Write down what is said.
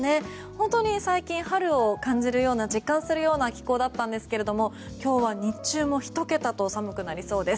本当に最近、春を感じるような実感するような気候だったんですが今日は日中も１桁と寒くなりそうです。